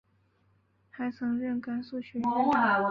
还曾任甘肃学院院长。